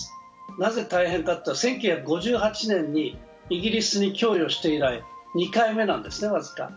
なぜ大変かというと１９５８年にイギリスに供与して以来、２回目なんですね、僅か。